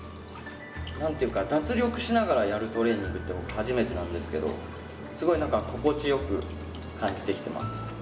何ていうか脱力しながらやるトレーニングって初めてなんですけどすごいなんか心地よく感じてきてます。